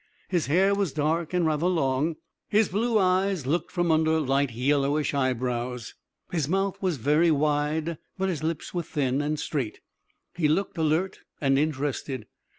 His hair was dark and rather long, his blue eyes looked from under light yellowish eyebrows, his mouth was very wide but his lips were thin and straight. He looked alert and interested.